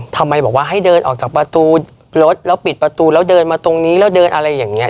ทำไมบอกว่าให้เดินออกจากประตูรถแล้วปิดประตูแล้วเดินมาตรงนี้แล้วเดินอะไรอย่างนี้